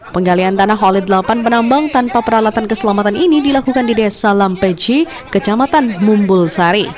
penggalian tanah oleh delapan penambang tanpa peralatan keselamatan ini dilakukan di desa lampeji kecamatan mumbulsari